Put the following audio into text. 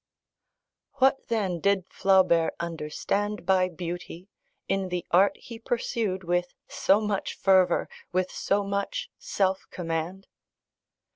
What, then, did Flaubert understand by beauty, in the art he pursued with so much fervour, with so much self command?